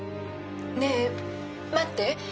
ねぇ待って。